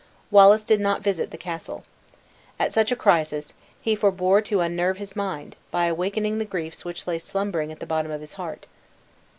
Wallace did not visit the castle. At such a crisis, he forbore to unnerve his mind, by awakening the griefs which lay slumbering at the bottom of his heart.